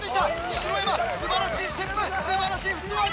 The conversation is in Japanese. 篠山素晴らしいステップ素晴らしいフットワーク。